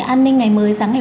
trong việc xử lý chất hải